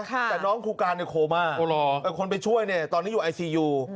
แต่น้องครูการเนี่ยโคม่าคนไปช่วยเนี่ยตอนนี้อยู่ไอซียู